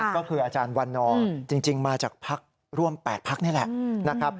ก็คืออาจารย์วันนอร์จริงมาจากพักร่วม๘พักนี่แหละนะครับ